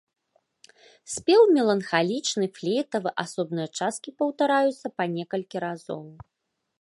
Спеў меланхалічны, флейтавы, асобныя часткі паўтараюцца па некалькі разоў.